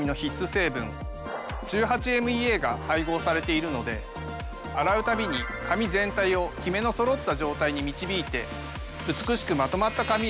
成分１８−ＭＥＡが配合されているので洗うたびに髪全体をキメのそろった状態に導いて。